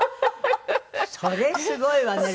それすごいわね。